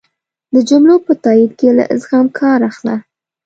د جملو په تایېد کی له زغم کار اخله